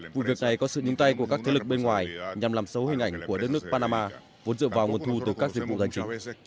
vụ việc này có sự nhìn tay của các thế lực bên ngoài nhằm làm xấu hình ảnh của đất nước panama vốn dựa vào nguồn thu từ các dịch vụ hành chính